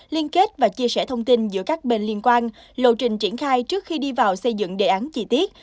liên kết và chia sẻ thông tin giữa các bên liên quan lộ trình triển khai trước khi đi vào xây dựng đề án chi tiết